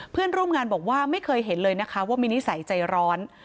เพื่อนร่วมงานบอกว่าไม่เคยเห็นเลยนะคะว่ามีนิสัยใจร้อน